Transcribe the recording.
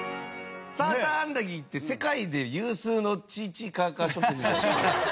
サーターアンダギーって世界で有数のチーチーカーカー食じゃないですか。